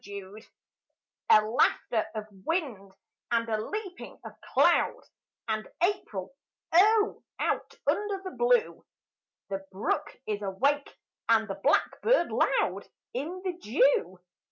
APRIL A laughter of wind and a leaping of cloud, And April, oh, out under the blue! The brook is awake and the blackbird loud In the dew!